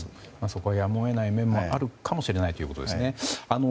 そこはやむを得ない面もあるかもしれないということですね。